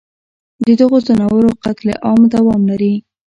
ددغو ځناورو قتل عام دوام لري